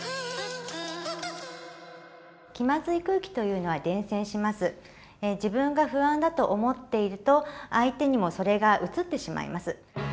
これは自分が不安だと思っていると相手にもそれがうつってしまいます。